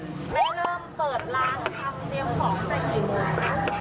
แม่เริ่มเปิดร้านทำเตรียมของจะกี่โมงคะ